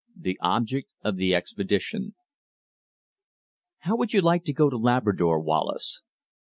THE OBJECT OF THE EXPEDITION "How would you like to go to Labrador, Wallace?"